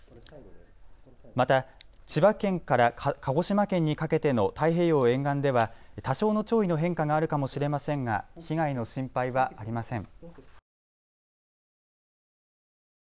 また千葉県から鹿児島県にかけての太平洋沿岸では多少の潮位の変化があるかもしれませんが被害の心配はありません。